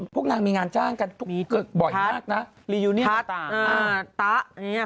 ทุกนางมีงานจ้างกันบ่อยมาก